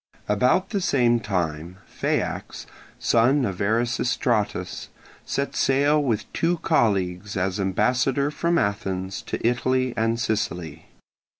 About the same time Phaeax, son of Erasistratus, set sail with two colleagues as ambassador from Athens to Italy and Sicily.